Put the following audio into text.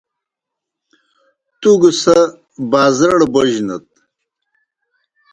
تُوْ گہ سہ بازرَڑ بوجنَت۔